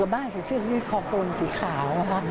บ้านสีสื้นที่มีคอโกนสีขาว